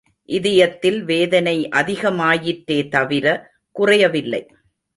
இதயத்தில் வேதனை அதிகமாயிற்றே தவிர குறையவில்லை.